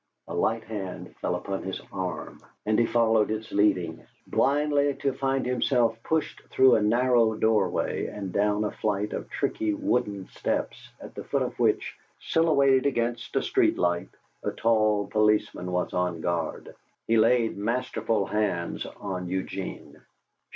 A light hand fell upon his arm and he followed its leading, blindly, to find himself pushed through a narrow doorway and down a flight of tricky, wooden steps, at the foot of which, silhouetted against a street light, a tall policeman was on guard. He laid masterful hands on Eugene.